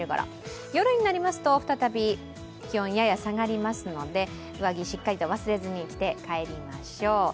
夜になりますと再び気温、やや下がりますので上着、しっかりと忘れずに着て帰りましょう。